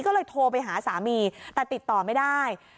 ก็เลยโทรไปหาสามีแต่ติดต่อไม่ได้